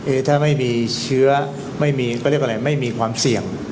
ถ้าไม่มีเชื้อไม่มีก็เรียกอะไรไม่มีความเสี่ยง